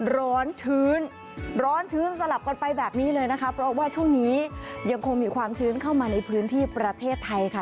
ร้อนชื้นร้อนชื้นสลับกันไปแบบนี้เลยนะคะเพราะว่าช่วงนี้ยังคงมีความชื้นเข้ามาในพื้นที่ประเทศไทยค่ะ